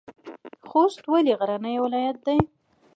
خوست ولې غرنی ولایت دی؟